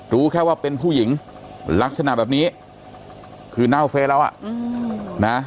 รู้แค่ว่าเป็นผู้หญิงลักษณะแบบนี้คือเน่าเฟสแล้วอ่ะนะ